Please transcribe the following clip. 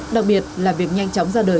đặc biệt là việc nhanh chóng ra đời